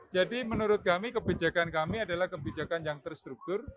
jadi menurut kami kebijakan kami adalah kebijakan yang terstruktur